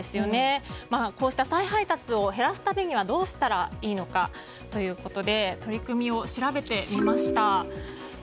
こうした再配達を減らすためにはどうしたらいいのかということで取り組みを調べてみました。